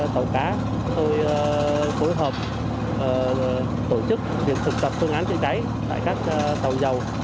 chúng tôi phối hợp tổ chức việc thực tập phương án chữa cháy tại các tàu dầu